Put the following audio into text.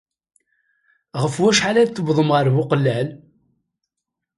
Ɣef wacḥal ay d-tewwḍem ɣer Buqellal?